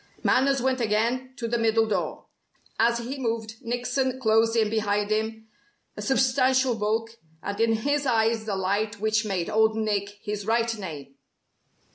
Manners went again to the middle door. As he moved, Nickson closed in behind him, a substantial bulk, and in his eyes the light which made "Old Nick" his right name.